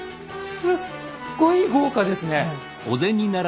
すっごい豪華ですね！